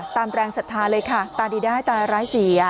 ตามแปลงศรัทธาเลยค่ะตาดีได้ตาไร้เสีย